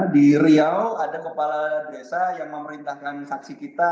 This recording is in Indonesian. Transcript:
di riau ada kepala desa yang memerintahkan saksi kita